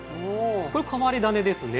これ変わり種ですね。